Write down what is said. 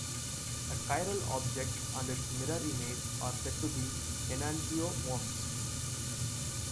A chiral object and its mirror image are said to be enantiomorphs.